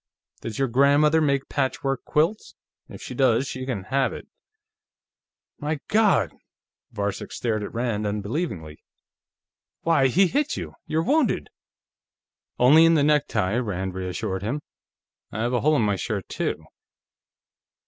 "Does your grandmother make patchwork quilts? If she does, she can have it." "My God!" Varcek stared at Rand unbelievingly. "Why, he hit you! You're wounded!" "Only in the necktie," Rand reassured him. "I have a hole in my shirt, too."